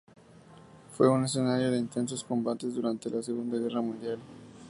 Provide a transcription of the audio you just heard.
Fue un escenario de intensos combates durante la Segunda Guerra Mundial.